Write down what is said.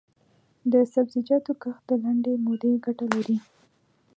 د سبزیجاتو کښت د لنډې مودې ګټه لري.